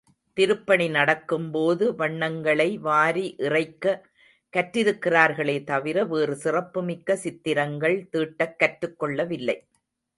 திருப்பணி நடக்கும்போது வண்ணங்களை வாரி இறைக்கக் கற்றிருக்கிறார்களே தவிர வேறு சிறப்பு மிக்க சித்திரங்கள் தீட்டக் கற்றுக் கொள்ளவில்லை.